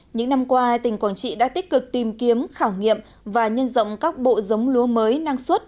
những năm qua tỉnh quảng trị đã tích cực tìm kiếm khảo nghiệm và nhân rộng các bộ giống lúa mới năng suất